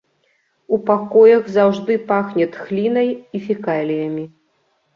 У пакоях заўжды пахне тхлінай і фекаліямі.